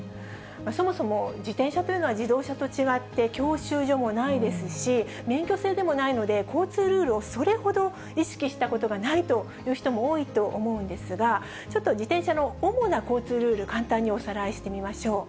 そもそも自転車というのは自動車と違って教習所もないですし、免許制でもないので、交通ルールをそれほど意識したことがないという人も多いと思うんですが、ちょっと自転車の主な交通ルール、簡単におさらいしてみましょう。